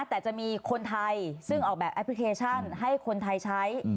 แต่จะมีคนไทยซึ่งออกแบบแอปพลิเคชันให้คนไทยใช้